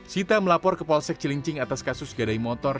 sita melapor ke polsek cilincing atas kasus gadai motor